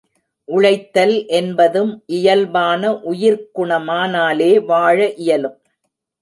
உழைத்தல் என்பதும் இயல்பான உயிர்க் குணமானாலே வாழ இயலும்.